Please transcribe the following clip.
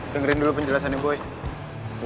dengerin dulu penjelasannya boy